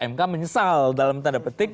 mk menyesal dalam tanda petik